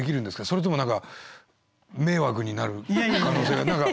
それとも何か迷惑になる可能性が何か。